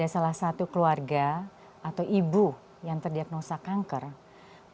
karena kalau ada satu keluarga atau ibu yang terdiagnosa kanker pasti dampaknya akan lebih besar